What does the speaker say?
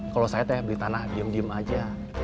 kalau saya teh beli tanah diem diem aja